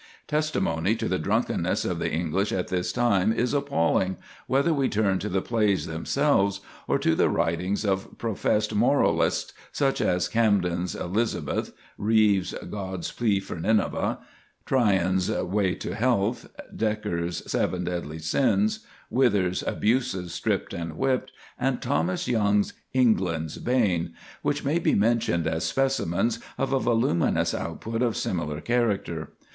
Testimony to the drunkenness of the English at this time is appalling, whether we turn to the plays themselves, or to the writings of professed moralists, such as Camden's "Elizabeth," Reeve's "God's Plea for Nineveh," Tryon's "Way to Health," Dekker's "Seven Deadly Sins," Wither's "Abuses Stript and Whipt," and Thomas Young's "England's Bane," which may be mentioned as specimens of a voluminous output of similar character.